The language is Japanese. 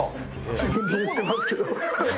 自分で言ってますけど。